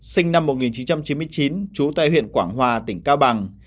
sinh năm một nghìn chín trăm chín mươi chín trú tại huyện quảng hòa tỉnh cao bằng